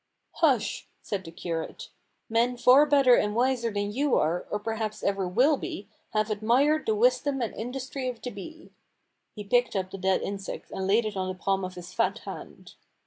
"Hush," said the curate. "Men far better and wiser than you are, or perhaps ever will be, have admired the wisdom and industry of the bee." He picked up the dead insect and laid it on the palm of his fat hand.